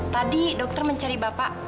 tadi dokter mencari bapak